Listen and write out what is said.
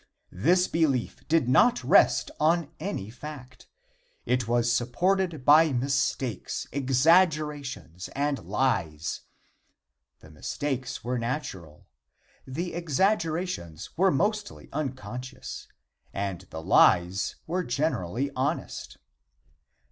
This belief did not rest on any fact. It was supported by mistakes, exaggerations and lies. The mistakes were natural, the exaggerations were mostly unconscious and the lies were generally honest.